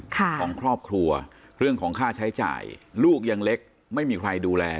ของครอบครัวเรื่องของค่าใช้จ่ายลูกยังเล็กไม่มีใครดูแล